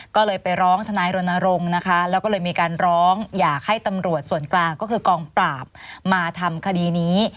ก็เลยไปร้องทนายรณรงค์นะคะแล้วก็เลยมีการร้องอยากให้ตำรวจส่วนกลางก็คือกองปราบมาทำคดีนี้